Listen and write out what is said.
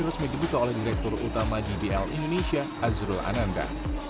resmi dibuka oleh direktur utama gbl indonesia azrul ananda